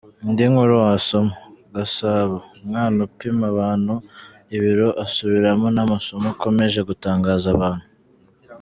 Indi nkuru wasoma: Gasabo:Umwana upima abantu ibiro asubiramo n’amasomo akomeje gutangaza abantu.